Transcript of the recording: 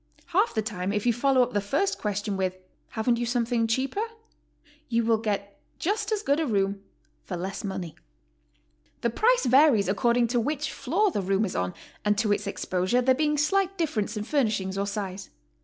Half the time if you follow up the first question with, ''Haven't you something cheaper?" you Yfill get just as good a room for less money. The price varies according to which floor the room is on, and to its exposure, there being slight difference in furnishings or size.